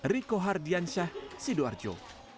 riko hardiansyah sidoarjo